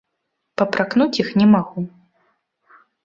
Папракнуць іх не магу.